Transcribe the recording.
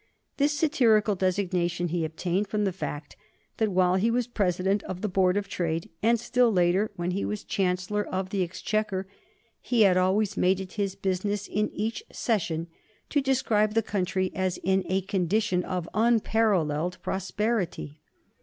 This satirical designation he obtained from the fact that while he was President of the Board of Trade, and still later when he was Chancellor of the Exchequer, he had always made it his business in each session to describe the country as in a condition of unparalleled prosperity.